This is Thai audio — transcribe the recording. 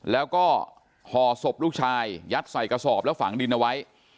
แล้วก็ห่อศพลูกชายยัดใส่กระสอบแล้วฝังดินเอาไว้